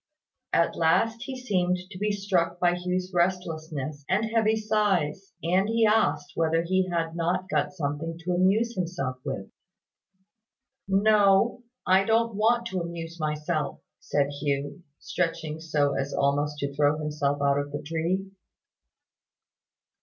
At last he seemed to be struck by Hugh's restlessness and heavy sighs; and he asked whether he had not got something to amuse himself with. "No. I don't want to amuse myself," said Hugh, stretching so as almost to throw himself out of the tree.